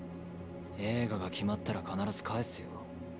映画が決まったら必ず返すよ。